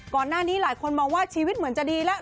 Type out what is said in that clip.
ก่อนหน้านี้หลายคนมองว่าชีวิตเหมือนจะดีแล้ว